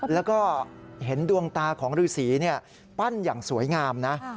แล้วก็เห็นดวงตาของฤษีปั้นอย่างสวยงามนะ